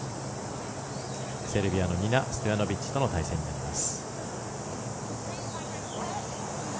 セルビアのニナ・ストヤノビッチとの対戦になります。